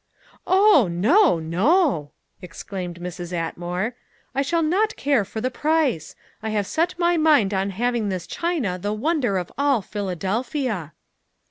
"Oh! no no," exclaimed Mrs. Atmore, "I shall not care for the price; I have set my mind on having this china the wonder of all Philadelphia."